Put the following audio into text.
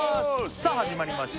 さあ始まりました